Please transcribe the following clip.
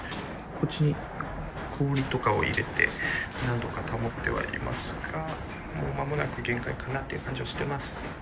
こっちに氷とかを入れて、なんとか保ってはいますが、もうまもなく限界かなという感じはしています。